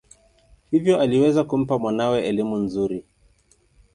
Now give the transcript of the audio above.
Hivyo aliweza kumpa mwanawe elimu nzuri.